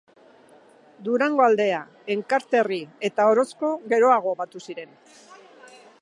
Durangaldea, Enkarterri eta Orozko geroago batu ziren.